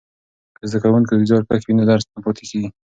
که زده کوونکی زیارکښ وي نو درس نه پاتیږي.